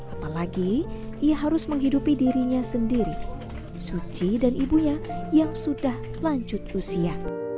apalagi ia harus menghidupi dirinya sendiri suci dan ibunya yang sudah lanjut usia